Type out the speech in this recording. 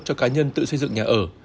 cho cá nhân tự xây dựng nhà ở